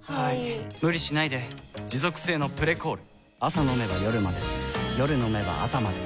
はい・・・無理しないで持続性の「プレコール」朝飲めば夜まで夜飲めば朝まで